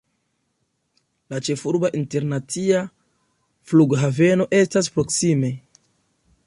La ĉefurba internacia flughaveno estas proksime.